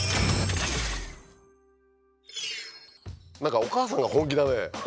何かお母さんが本気だね。